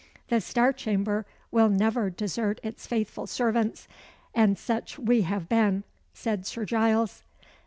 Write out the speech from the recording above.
"The Star Chamber will never desert its faithful servants, and such we have been," said Sir Giles.